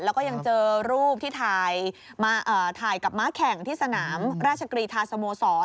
แล้วก็ยังเจอรูปที่ถ่ายกับม้าแข่งที่สนามราชกรีธาสโมสร